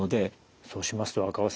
そうしますと若尾さん